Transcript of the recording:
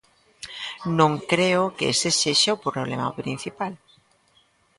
Non creo que ese sexa o problema principal.